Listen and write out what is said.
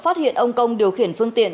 phát hiện ông công điều khiển phương tiện